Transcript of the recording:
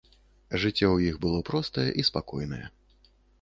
Жыццё ў іх было простае і спакойнае.